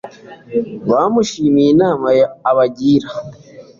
bamushimiye inama abagiriye